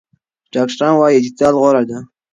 ډاکټران وايي اعتدال غوره دی.